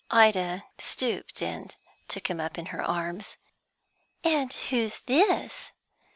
Ida stooped and took him up in her arms. "And who's this?"